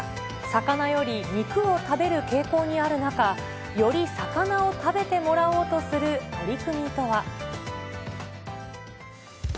魚より肉を食べる傾向にある中、より魚を食べてもらおうとする取り組みとは。